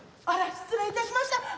あら失礼いたしました。